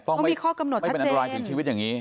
ต้องมีข้อกำหนดชัดเจนไม่เป็นอันตรายถึงชีวิตอย่างงี้